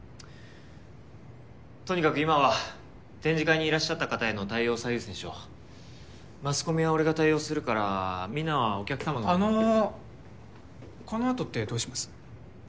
とにかく今は展示会にいらっしゃった方への対応を最優先しようマスコミは俺が対応するからみんなはお客様の方をあのこのあとってどうします？